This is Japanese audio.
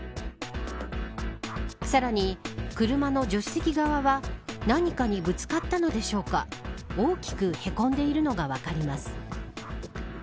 さらに、車の助手席側は何かにぶつかったのでしょうか大きくへこんでいるのが分かります。